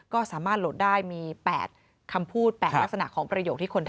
ขอบคุณค่ะ